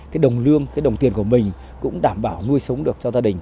cái đồng lương cái đồng tiền của mình cũng đảm bảo nuôi sống được cho gia đình